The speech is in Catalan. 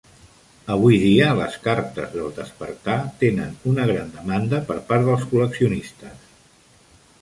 Avui dia, les cartes d"El despertar" tenen una gran demanda per part dels col·leccionistes.